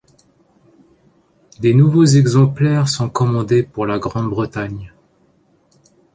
Des nouveaux exemplaires sont commandés pour la Grande-Bretagne.